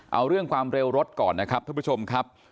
เอาเรื่องความเร็วรถก่อนนะครับท่านผู้ชมครับ